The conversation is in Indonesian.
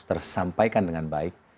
tersampaikan dengan baik